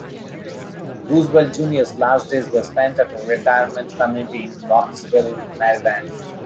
Roosevelt Junior's last days were spent at a retirement community in Cockeysville, Maryland.